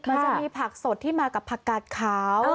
มันจะมีผักสดที่มากับผักกาดขาว